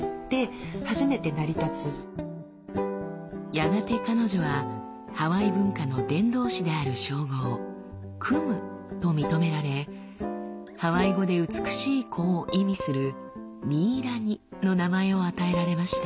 やがて彼女はハワイ文化の伝道師である称号「クム」と認められハワイ語で「美しい子」を意味する「ミイラニ」の名前を与えられました。